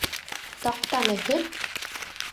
Таҡтаны һөрт!